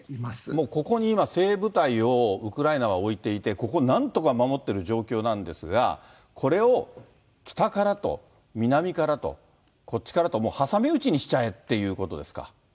もうここに今、精鋭部隊をウクライナは置いていて、ここ、なんとか守ってる状況なんですが、これを北からと南からと、こっちからと、もう挟み撃ちにしちゃえということですか。